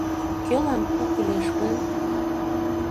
Кӧлан пу кӱлеш гын...